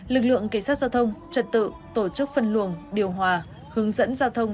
lực lượng cảnh sát giao thông trật tự tổ chức phân luồng điều hòa hướng dẫn giao thông